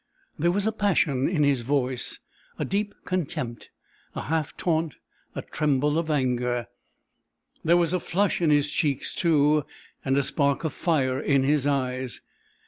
There was a passion in his voice, a deep contempt, a half taunt, a tremble of anger. There was a flush in his cheeks, too, and a spark of fire in his eyes.